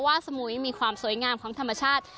สมุยมีความสวยงามของธรรมชาติ